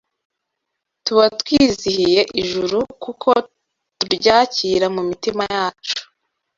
Tuba twizihiye ijuru kuko turyakira mu mitima yacu.